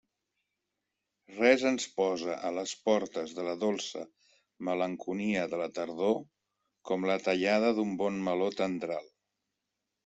Res ens posa a les portes de la dolça malenconia de la tardor com la tallada d'un bon meló tendral.